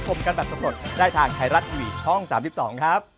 สวัสดีครับ